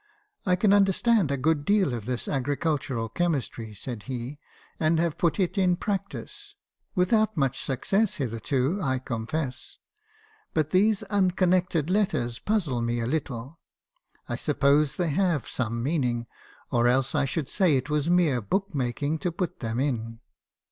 " 'I can understand a good deal of this Agricultural Chemis try ,' said he ,' and have put it in practice — without much suc cess, hitherto, I coafess. But these unconnected letters puzzle me a little. I suppose they have some meaning, or else I should say it was mere book making to put them in.'